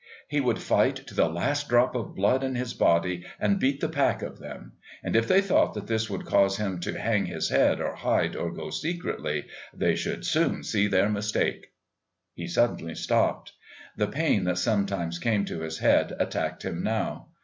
He would fight to the last drop of blood in his body and beat the pack of them, and if they thought that this would cause him to hang his head or hide or go secretly, they should soon see their mistake. He suddenly stopped. The pain that sometimes came to his head attacked him now.